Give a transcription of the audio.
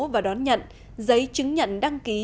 và đón nhận giấy chứng nhận đăng ký